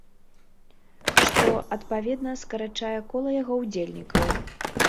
Што, адпаведна, скарачае кола яго ўдзельнікаў.